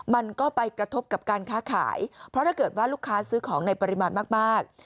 มันก็ไปกระทบกับการค้าขายเพราะถ้าเกิดว่าลูกค้าซื้อของในปริมาณมาก